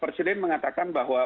presiden mengatakan bahwa